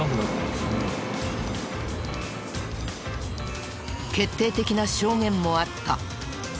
決定的な証言もあった。